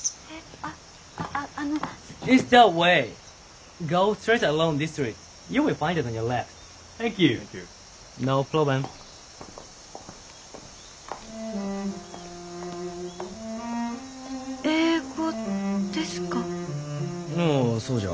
ああそうじゃ。